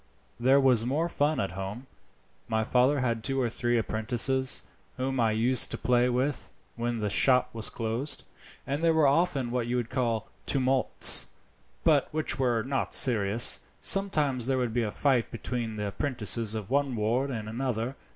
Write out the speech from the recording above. There was more fun at home. My father had two or three apprentices, whom I used to play with when the shop was closed, and there were often what you would call tumults, but which were not serious. Sometimes there would be a fight between the apprentices of one ward and another.